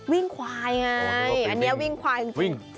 วิ่งควายไงอันนี้วิ่งควายจริง